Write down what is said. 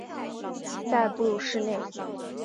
在哺乳室内